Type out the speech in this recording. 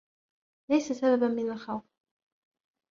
ليس سبب من الخوف.